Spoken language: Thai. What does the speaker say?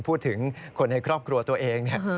พูดถึงคนในครอบครัวตัวเองเนี่ย